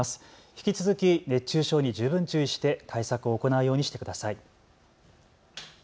引き続き熱中症に十分注意して対策を行うようにしてください。